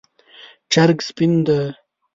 چرګ سپین دی